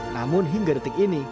namun hingga detik ini